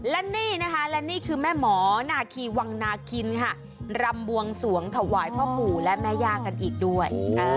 และนี่คือแม่หมอนาคีวังนาคินรำบวงสวงถวายพ่อปู่และแม่ยากันอีกด้วย